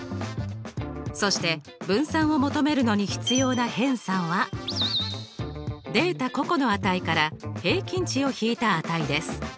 そして分散を求めるのに必要な偏差はデータ個々の値から平均値を引いた値です。